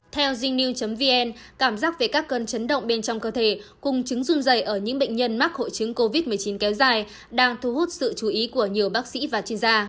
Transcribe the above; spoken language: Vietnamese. theo zenil vn cảm giác về các cơn chấn động bên trong cơ thể cùng chứng run dày ở những bệnh nhân mắc hội chứng covid một mươi chín kéo dài đang thu hút sự chú ý của nhiều bác sĩ và chuyên gia